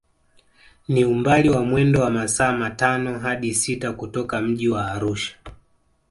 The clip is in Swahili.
Ni umbali wa mwendo wa masaa matano hadi sita kutoka mji wa Arusha